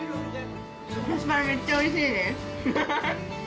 アスパラ、めっちゃおいしいです。